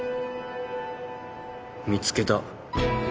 見つけた。